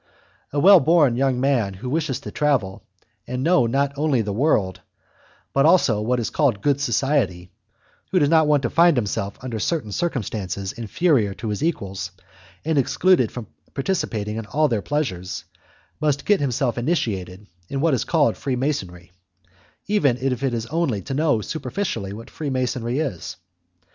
A well born young man who wishes to travel and know not only the world, but also what is called good society, who does not want to find himself, under certain circumstances, inferior to his equals, and excluded from participating in all their pleasures, must get himself initiated in what is called Freemasonry, even if it is only to know superficially what Freemasonry is.